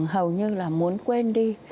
hầu như là muốn quên đi